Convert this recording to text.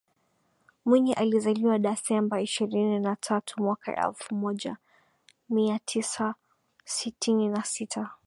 Mwinyi alizaliwa Dasemba ishirini na tatu mwaka elfu moja mia tisa sitini na sita